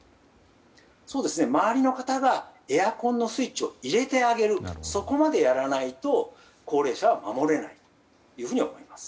周りの方がエアコンのスイッチを入れてあげるそこまでやらないと高齢者は守れないと思います。